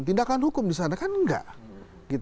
tindakan hukum di sana kan enggak